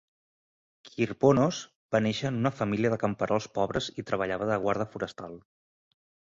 Kirponos va néixer en una família de camperols pobres i treballava de guarda forestal.